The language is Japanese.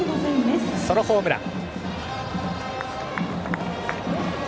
ソロホームラン。